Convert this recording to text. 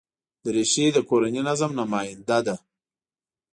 دریشي د کورني نظم نماینده ده.